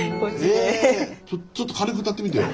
ちょっと軽く歌ってみてよ。